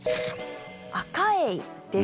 アカエイです。